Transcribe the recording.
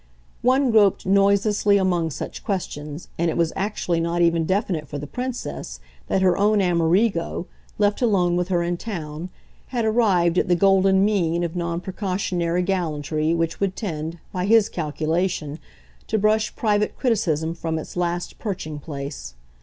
One groped noiselessly among such questions, and it was actually not even definite for the Princess that her own Amerigo, left alone with her in town, had arrived at the golden mean of non precautionary gallantry which would tend, by his calculation, to brush private criticism from its last perching place.